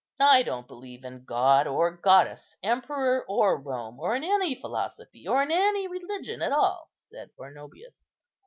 "I don't believe in god or goddess, emperor or Rome, or in any philosophy, or in any religion at all," said Arnobius.